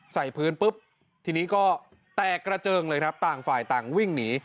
ใส่พื้นปุ๊บทีนี้ก็แตกกระเจิงเลยครับต่างฝ่ายต่างวิ่งหนี